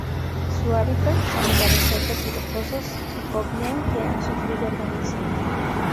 Su hábitat son lugares secos y rocosos o bien que han sufrido algún incendio.